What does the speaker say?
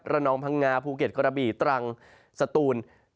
นองพังงาภูเก็ตกระบี่ตรังสตูน